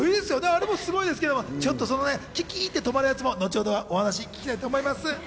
あれもすごいですけれども、キキっと止まるやつも後ほどお話聞きたいと思います。